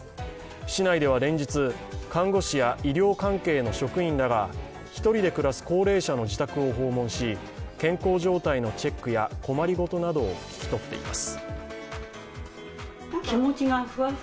市内では連日、看護師や医療関係の職員らが１人で暮らす高齢者の自宅を訪問し健康状態のチェックや困り事などを聞き取っています。